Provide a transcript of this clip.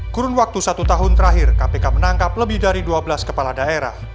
kurun waktu satu tahun terakhir kpk menangkap lebih dari dua belas kepala daerah